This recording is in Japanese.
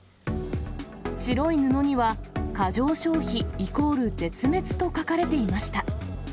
白い布には、過剰消費イコール絶滅と書かれていました。